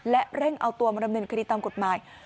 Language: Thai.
และเร่งเอาตัวมาดำเนินคดีตามกฎหมาย